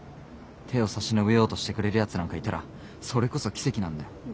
手を差し伸べようとしてくれるやつなんかいたらそれこそ奇跡なんだよ。